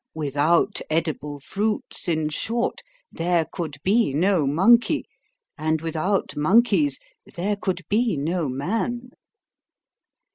Without edible fruits, in short, there could be no monkey; and without monkeys there could be no man."